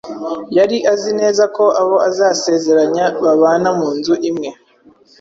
yari azi neza ko abo azasezeranya babana mu nzu imwe